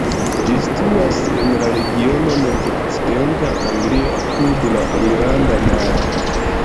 Ĝi situas en la regiono nordokcidenta Anglio, apud la Irlanda Maro.